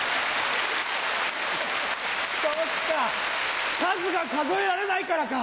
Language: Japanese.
そっか数が数えられないからか！